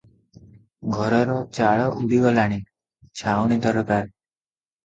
ଘରର ଚାଳ ଉଡ଼ିଗଲାଣି, ଛାଉଣି ଦରକାର ।